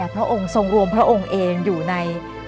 พระองค์ทรงรวมพระองค์เองอยู่ใน